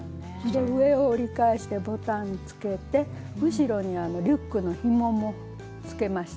上を折り返してボタンつけて後ろにリュックのひももつけました。